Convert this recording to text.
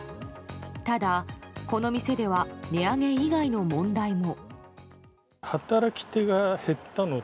ただ、この店では値上げ以外の問題も。